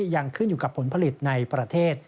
ยังขึ้นอยู่กับผลผลิตในประเทศ